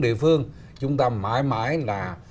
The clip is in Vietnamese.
địa phương chúng ta mãi mãi là